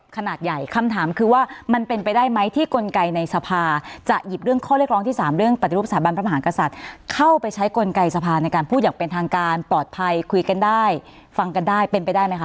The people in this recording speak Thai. ขนาดใหญ่คำถามคือว่ามันเป็นไปได้ไหมที่กลไกในสภาจะหยิบเรื่องข้อเรียกร้องที่๓เรื่องปฏิรูปสถาบันพระมหากษัตริย์เข้าไปใช้กลไกสภาในการพูดอย่างเป็นทางการปลอดภัยคุยกันได้ฟังกันได้เป็นไปได้ไหมคะ